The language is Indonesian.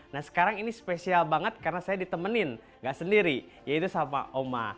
nah sekarang ini spesial banget karena saya ditemenin gak sendiri yaitu sama oma